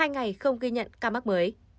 hai ngày không ghi nhận ca mắc mới